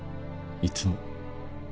いつも。